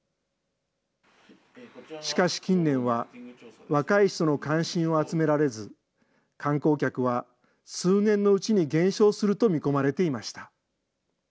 しかし近年は、若い人の関心を集められず、観光客は数年のうちに減少すると見込まれていました。